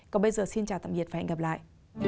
còn bây giờ xin chào tạm biệt và hẹn gặp lại